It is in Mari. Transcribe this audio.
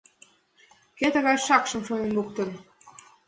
«Кӧ тыгай шакшым шонен луктын?